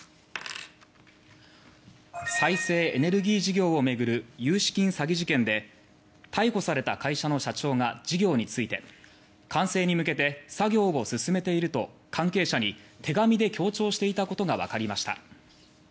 再生エネルギー事業を巡る融資金詐欺事件で逮捕された会社の社長が事業について「完成に向けて作業を進めている」と関係者に手紙で説明していたことがわかりました。